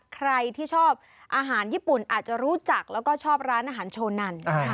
ใครที่ชอบอาหารญี่ปุ่นอาจจะรู้จักแล้วก็ชอบร้านอาหารโชนัน